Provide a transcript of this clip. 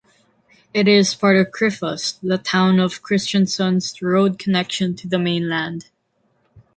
It is part of Krifast, the town of Kristiansund's road connection to the mainland.